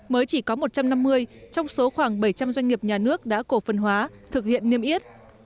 mới chỉ có một trăm năm mươi trong số khoảng bảy trăm linh doanh nghiệp nhà nước đã cổ phần hóa thực hiện niêm yết